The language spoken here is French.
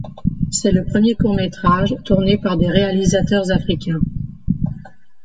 C'est le premier court métrage tourné par des réalisateurs africains.